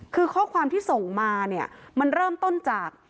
คือข้อความที่ส่งมาเนี่ยมันเริ่มต้นจาก